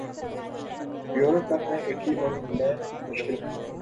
euro Cup میں Italy اور England مشکل میں